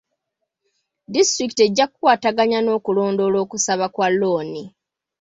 Disitulikiti ejja kukwataganya n'okulondoola okusaba kwa looni.